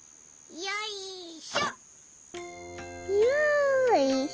よいしょ。